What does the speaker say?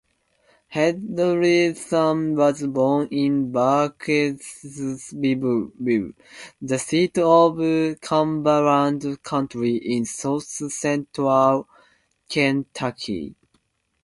Huddleston was born in Burkesville, the seat of Cumberland County in south central Kentucky.